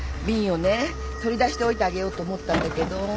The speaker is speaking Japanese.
瓶をね取り出しておいてあげようと思ったんだけど。